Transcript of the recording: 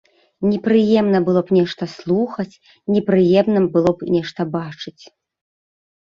Непрыемна было б нешта слухаць, непрыемна было б нешта бачыць.